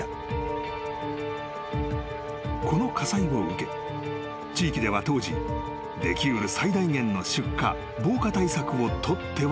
［この火災を受け地域では当時でき得る最大限の出火防火対策を取ってはいた］